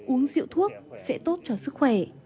uống rượu thuốc sẽ tốt cho sức khỏe